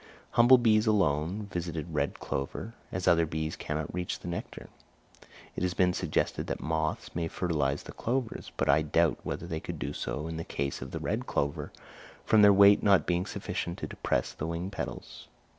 Humble bees alone visit red clover, as other bees cannot reach the nectar. It has been suggested that moths may fertilise the clovers; but I doubt whether they could do so in the case of the red clover, from their weight not being sufficient to depress the wing petals.